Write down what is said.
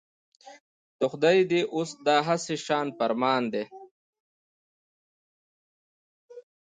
د خدای دی اوس دا هسي شان فرمان.